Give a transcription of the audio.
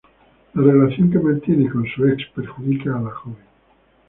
La relación que mantiene con su ex perjudica a la joven.